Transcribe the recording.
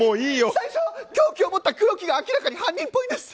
最初凶器を持ったやつが明らかに犯人っぽいんです。